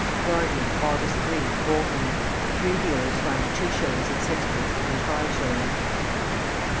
Guardian, August 3, Bolton. Three dealers fined two shillings and sixpence, and five shillings.